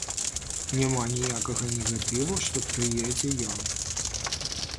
Няма ніякага негатыву, што прыедзе ён.